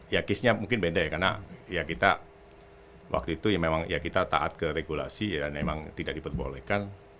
ya case nya mungkin beda ya karena ya kita waktu itu ya memang ya kita taat ke regulasi ya memang tidak diperbolehkan